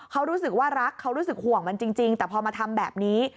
เขารู้สึกว่ารักเขารู้สึกห่วงมันจริงแต่พอมาทำแบบนี้